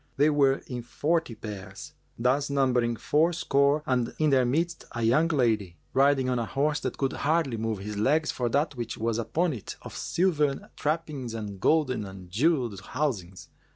They were in forty pairs, thus numbering fourscore and in their midst a young lady, riding on a horse that could hardly move his legs for that which was upon it of silvern trappings and golden and jewelled housings.